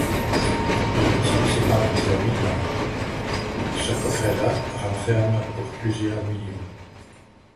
Le Nautilus est emprisonné dans « Ce coffret… là… renferme pour plusieurs millions…